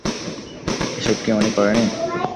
এসব কি উনি করেনি?